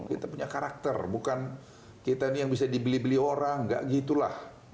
kita punya karakter bukan kita ini yang bisa dibeli beli orang enggak gitu lah